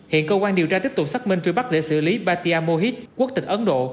hiện cơ quan điều tra tiếp tục xác minh truy bắt để xử lý batia mohit quốc tịch ấn độ